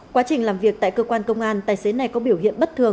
quá trình làm việc tại cơ quan công an tài xế này có biểu hiện bất thường